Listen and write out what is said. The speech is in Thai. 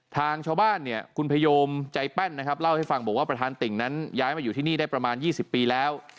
ทางชาวบ้านเนี่ยคุณพยมใจแป้นนะครับเล่าให้ฟังบอกว่าประธานติ่งนั้นย้ายมาอยู่ที่นี่ได้ประมาณ๒๐ปีแล้ว